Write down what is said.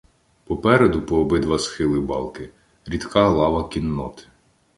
Попереду по обидва схили балки — рідка лава кінноти.